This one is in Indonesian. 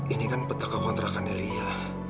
ini kan peta kekontrakannya lia